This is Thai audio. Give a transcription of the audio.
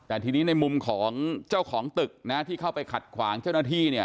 แต่ทีนี้ในมุมของเจ้าของตึกนะที่เข้าไปขัดขวางเจ้าหน้าที่เนี่ย